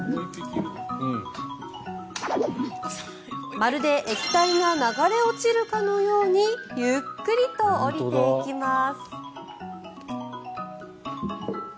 まるで液体が流れ落ちるかのようにゆっくりと下りていきます。